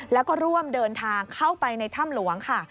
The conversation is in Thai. แล้วก็ร่วมเดินทางเข้าไปในถ้ำหลวงค่ะ